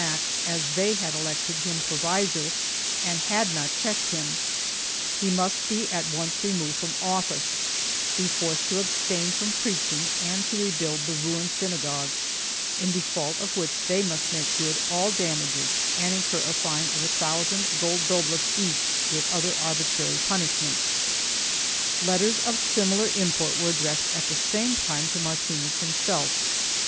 106 THE JEWS AND THE CONVERSOS [BOOK I had elected him provisor and had not checked him; he must be at once removed from office, be forced to abstain from preaching and to rebuild the ruined synagogues, in default of which they must make good all damages and incur a fine of a thousand gold doblas each with other arbitrary punishments. Letters of similar import were addressed at the same time to Martinez himself.